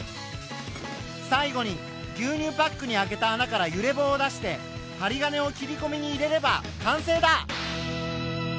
最後に牛乳パックに開けた穴から揺れ棒を出してはり金を切りこみに入れれば完成だ。